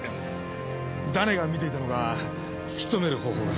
誰が見ていたのか突き止める方法が。